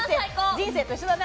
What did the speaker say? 人生と一緒だね